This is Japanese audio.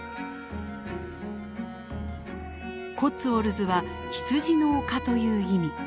コッツウォルズは「羊の丘」という意味。